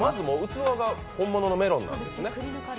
器が本物のメロンなんですね。